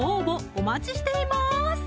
お待ちしています